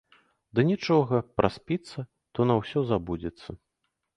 Ды нічога, праспіцца, то на ўсё забудзецца.